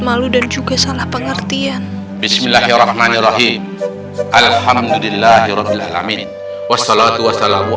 malu dan juga salah pengertian bismillahirrahmanirrahim alhamdulillahirobbilalamin wassalatu wassalamu